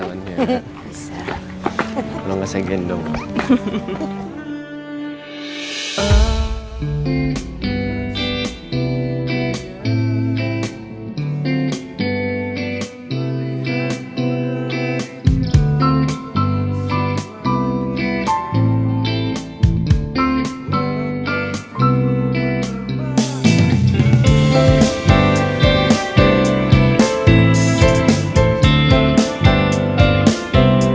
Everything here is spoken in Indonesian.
hai enggak butuh kamu